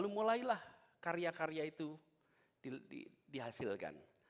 mulailah karya karya itu dihasilkan